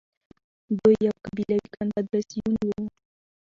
دوی يو قبيلوي کنفدراسيون وو